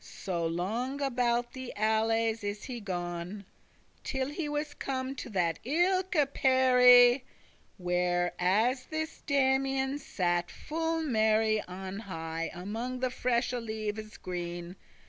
So long about the alleys is he gone, Till he was come to *that ilke perry,* *the same pear tree* Where as this Damian satte full merry On high, among the freshe leaves green.